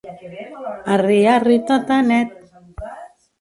Arri, arri, tatanet!